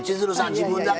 自分だけ！